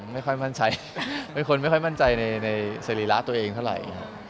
ไม่ค่อยมั่นใจเป็นคนไม่ค่อยมั่นใจในสรีระตัวเองเท่าไหร่